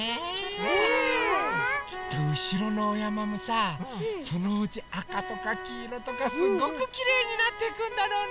うん。きっとうしろのおやまもさそのうちあかとかきいろとかすごくきれいになっていくんだろうね。